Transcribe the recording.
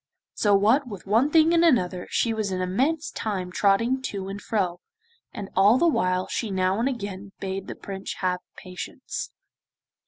So what with one thing and another she was an immense time trotting to and fro, and all the while she now and again bade the Prince have patience.